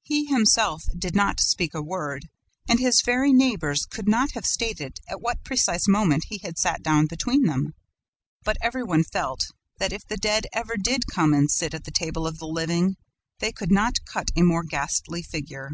He himself did not speak a word and his very neighbors could not have stated at what precise moment he had sat down between them; but every one felt that if the dead did ever come and sit at the table of the living, they could not cut a more ghastly figure.